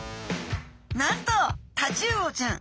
なんとタチウオちゃん